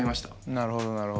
なるほどなるほど。